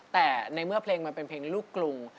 แต่ในเมื่อเพลงมันเป็นเพลงในลูกกรุง